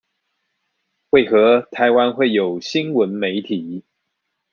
為何台灣會有新聞媒體